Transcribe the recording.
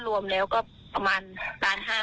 กลับมาเคลียร์ปัญหาทุกอย่างนะคะเพราะว่ายังยังคิดว่า